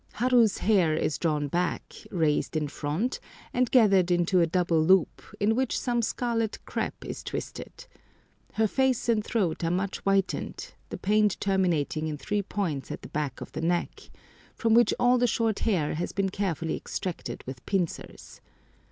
Haru's hair is drawn back, raised in front, and gathered into a double loop, in which some scarlet crépe is twisted. Her face and throat are much whitened, the paint terminating in three points at the back of the neck, from which all the short hair has been carefully extracted with pincers.